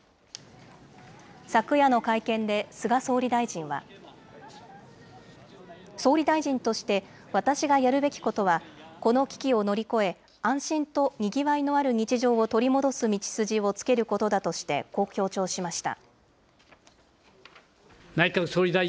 昨夜の会見で菅総理大臣は。総理大臣として私がやるべきことは、この危機を乗り越え、安心とにぎわいのある日常を取り戻す道筋をつけることだとして、こう強調しました。